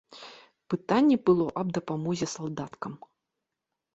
Пытанне было аб дапамозе салдаткам.